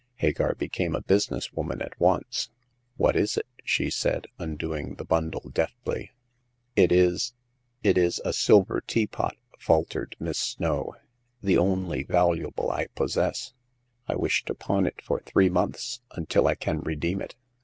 Hagar became a business woman at once. What is it ?'* she said, undoing the bundle deftly. It is— it is — a silver teapot, faltered Miss Snow ;the only valuable I possess. I wish to pawn it for three months, until I can redeem it.